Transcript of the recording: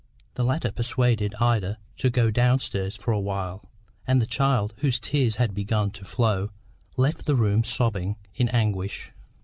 The latter persuaded Ida to go downstairs for a while, and the child, whose tears had begun to flow, left the room, sobbing in anguish.